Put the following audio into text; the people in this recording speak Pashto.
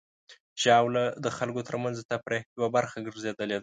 ژاوله د خلکو ترمنځ د تفریح یوه برخه ګرځېدلې ده.